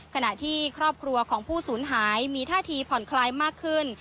ขณะที่ครอบครัวของผู้สูญหายมีท่าทีผ่อนคลายมากขึ้น